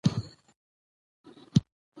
د ریګ دښتې په طبیعت کې رول لري.